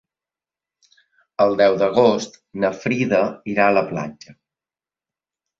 El deu d'agost na Frida irà a la platja.